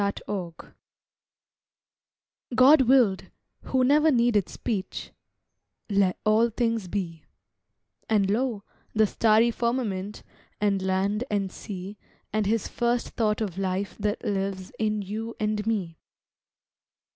L'envoi God willed, who never needed speech, "Let all things be:" And, lo, the starry firmament And land and sea And his first thought of life that lives In you and me.